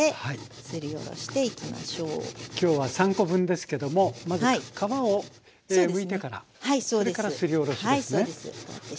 今日は３コ分ですけどもまず皮をむいてからそれからすりおろしですね。